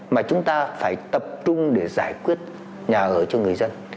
mà chúng ta phải tập trung để giải quyết nhà ở cho người dân